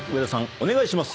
お願いします。